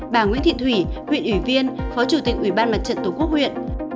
bà nguyễn thị thủy huyện ủy viên phó chủ tịch ủy ban mặt trận tổ quốc huyện